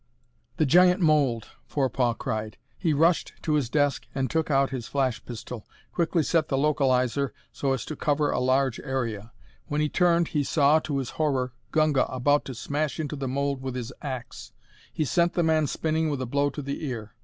"The giant mold!" Forepaugh cried. He rushed to his desk and took out his flash pistol, quickly set the localizer so as to cover a large area. When he turned he saw, to his horror, Gunga about to smash into the mold with his ax. He sent the man spinning with a blow to the ear.